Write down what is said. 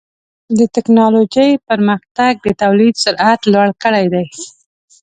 د ټکنالوجۍ پرمختګ د تولید سرعت لوړ کړی دی.